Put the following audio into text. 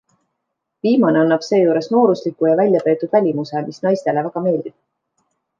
Viimane annab seejuures noorusliku ja väljapeetud välimuse, mis naistele väga meeldib.